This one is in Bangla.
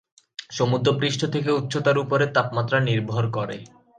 সমুদ্র-পৃষ্ঠ থেকে উচ্চতার উপরে তাপমাত্রা নির্ভর করে।